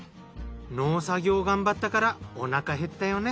農作業頑張ったからおなか減ったよね。